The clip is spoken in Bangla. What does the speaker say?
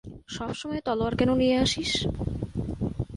সবসময় তলোয়ার কেন নিয়ে আসিস?